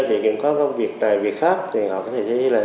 thì cũng có việc này việc khác thì họ có thể thấy là